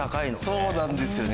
そうなんですよね。